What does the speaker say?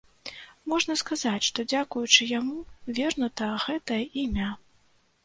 Можна сказаць, што дзякуючы яму вернута гэтае імя.